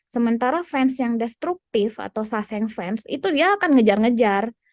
sementara fans yang destruktif atau sassing fans itu dia akan ngejar ngejar